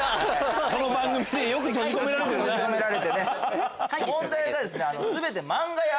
この番組でよく閉じ込められてるね。